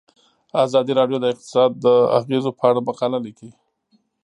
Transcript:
ازادي راډیو د اقتصاد د اغیزو په اړه مقالو لیکلي.